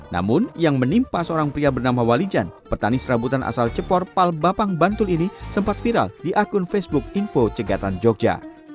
namun yang menimpa seorang pria bernama walijan petani serabutan asal cepor pal bapang bantul ini sempat viral di akun facebook info cegatan jogja